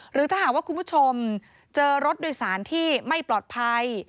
หรือถ้าหากว่าคุณผู้ชมเจอรถโดยสารที่ไม่ปลอดภัย